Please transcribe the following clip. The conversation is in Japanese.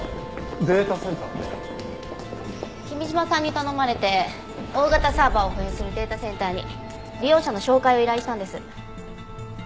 君嶋さんに頼まれて大型サーバーを保有するデータセンターに利用者の照会を依頼したんです。